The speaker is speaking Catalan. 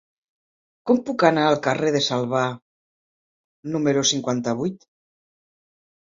Com puc anar al carrer de Salvà número cinquanta-vuit?